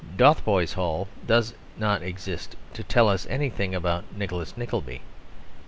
Dotheboys Hall does not exist to tell us anything about Nicholas Nickleby.